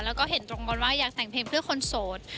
แล้วก็เห็นตรงกันว่าอยากแต่งเพลงเพื่อคนโสด